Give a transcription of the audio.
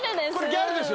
ギャルです